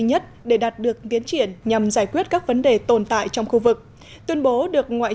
nhất để đạt được tiến triển nhằm giải quyết các vấn đề tồn tại trong khu vực tuyên bố được ngoại